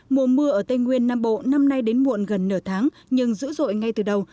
mùa mưa ở tây nguyên nam bộ năm nay đến muộn gần nửa tháng nhưng dữ dội ngay từ đầu